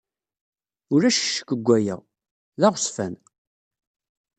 Ulac ccekk deg waya. D aɣezfan.